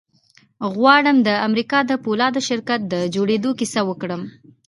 غواړم د امريکا د پولادو شرکت د جوړېدو کيسه وکړم.